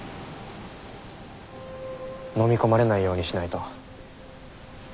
のみ込まれないようにしないと。